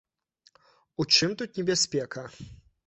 У чым тут небяспека?